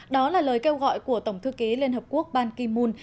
đó là lời kêu gọi của tổng thư kế liên hợp quốc ban ki moon